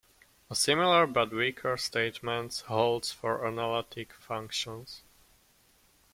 A similar but weaker statement holds for analytic functions.